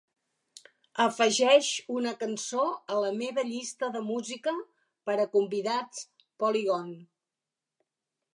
Afegeix una cançó a la meva llista de música per a convidats Polygon